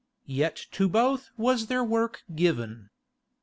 Yet to both was their work given.